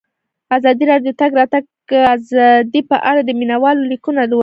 ازادي راډیو د د تګ راتګ ازادي په اړه د مینه والو لیکونه لوستي.